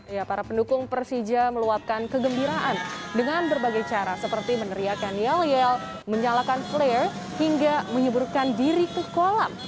ya para pendukung persija meluapkan kegembiraan dengan berbagai cara seperti meneriakan yel yel menyalakan flare hingga menyeburkan diri ke kolam